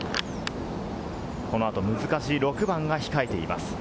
この後、難しい６番が控えています。